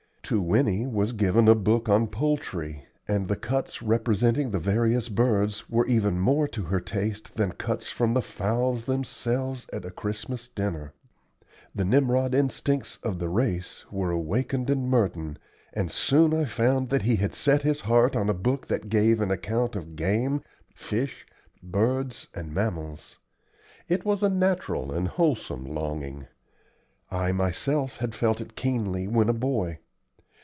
To Winnie was given a book on poultry, and the cuts representing the various birds were even more to her taste than cuts from the fowls themselves at a Christmas dinner. The Nimrod instincts of the race were awakened in Merton, and I soon found that he had set his heart on a book that gave an account of game, fish, birds, and mammals. It was a natural and wholesome longing. I myself had felt it keenly when a boy.